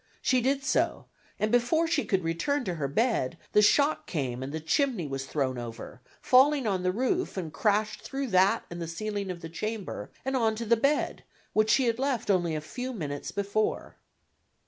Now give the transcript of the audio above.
She did so and before she could return to her bed, the shock came and the chimney was thrown over, falling on the roof and crashed through that and the ceiling of the chamber and on to the bed, which she had left only a few minutes before.